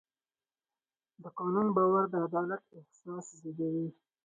د قانون باور د عدالت احساس زېږوي.